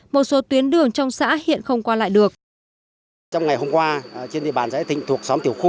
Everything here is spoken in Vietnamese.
một số tuyến đường trong xã hiện không qua lại được